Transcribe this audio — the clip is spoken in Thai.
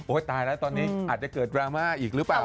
ตายแล้วตอนนี้อาจจะเกิดดราม่าอีกหรือเปล่า